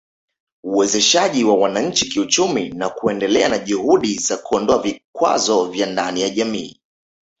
Uwezeshaji wa wananchi kiuchumi na kuendelea na juhudi za kuondoa vikwazo ndani ya jamii